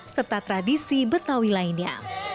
serta tradisi betawi lainnya